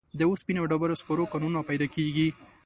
د اوسپنې او ډبرو سکرو کانونه پیدا کیږي.